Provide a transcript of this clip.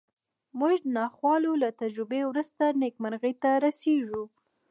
موږ د ناخوالو له تجربې وروسته نېکمرغۍ ته رسېږو